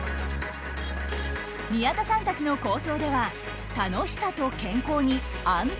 宮田さんたちの構想では楽しさと健康に安全を加えます。